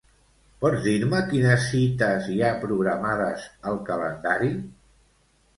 Pots dir-me quines cites hi ha programades al calendari?